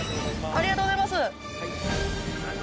ありがとうございます。